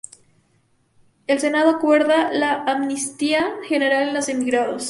El Senado acuerda la amnistía general a los emigrados.